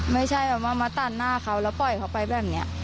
ไม่ใช่แบบว่ามาตัดหน้าเขาแล้วปล่อยเขาไปแบบนี้